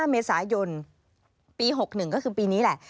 ๕เมษายนปี๖๑ก็คือปีนี้แหละ